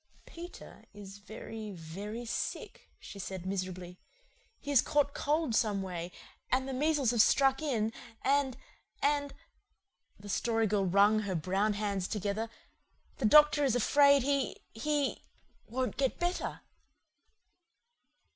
"Peter is very, very sick," she said miserably. "He has caught cold someway and the measles have struck in and and " the Story Girl wrung her brown hands together "the doctor is afraid he he won't get better."